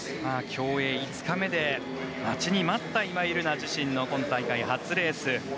競泳５日目で待ちに待った今井月自身の今大会初レース。